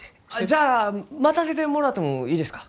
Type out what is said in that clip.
じゃあ待たせてもろうてもえいですか？